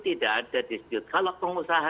tidak ada dispute kalau pengusaha